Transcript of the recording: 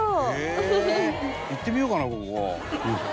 行ってみようかなここ。